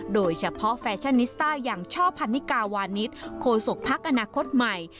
โดยเฉพาะแฟชั่นนิสตาร์อย่างช่อพันนิกาวานิสโคสกพักอนาคตใหม่